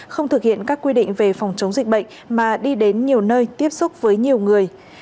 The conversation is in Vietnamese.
không thực hiện các quy định về phòng chống dịch bệnh mà đi đến nhiều nơi tiếp xúc với nhiều người